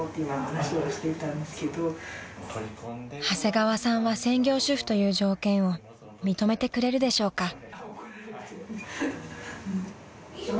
［長谷川さんは専業主婦という条件を認めてくれるでしょうか］